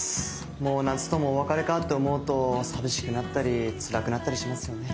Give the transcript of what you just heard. もう夏ともお別れかって思うと寂しくなったりつらくなったりしますよね。